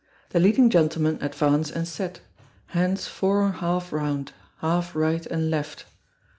The leading gentleman advance and set. Hands four half round; half right and left.